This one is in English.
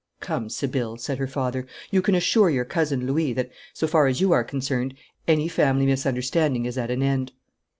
'Come, Sibylle,' said her father, 'you can assure your cousin Louis that, so far as you are concerned, any family misunderstanding is at an end.'